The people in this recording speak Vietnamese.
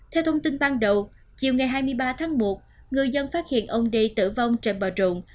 theo thông tin ban đầu chiều ngày hai mươi ba tháng một người dân phát hiện ông đê tử vong trên bò trộn